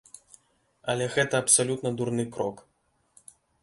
Але гэта абсалютна дурны крок.